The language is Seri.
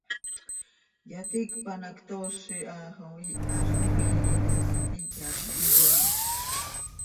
Yaticpan hac ctoozi ha xo iihax cöxoiitim, iyat cöiyoomjc.